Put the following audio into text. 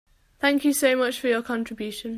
Thank you so much for your contribution.